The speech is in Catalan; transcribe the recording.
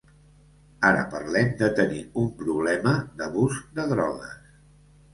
Ara parlem de tenir un problema d'abús de drogues.